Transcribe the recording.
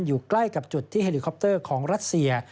อยู่ใกล้กับจุดที่เฮลิคอปเตอร์ของรัสเซีย